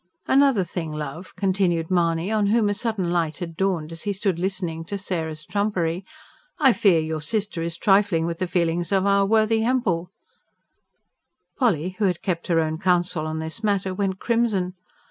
"Another thing, love," continued Mahony, on whom a sudden light had dawned as he stood listening to Sarah's trumpery. "I fear your sister is trifling with the feelings of our worthy Hempel." Polly, who had kept her own counsel on this matter, went crimson.